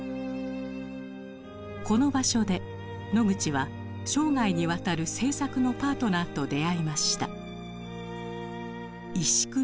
この場所でノグチは生涯にわたる制作のパートナーと出会いました。